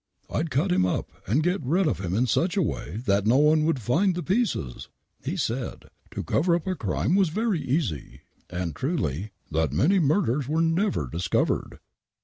I'd cut him up and get rid of him in such a waythat no one would find the pieces." He said, " to cover up. a crime was very easy," and truly, *' that many murders were never discovered."